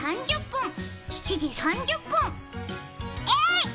えい！